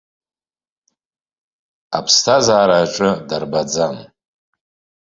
Аԥсҭазаара аҿы дарбаӡам.